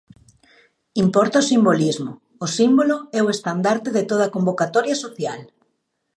Importa o simbolismo, o símbolo é o estandarte de toda convocatoria social.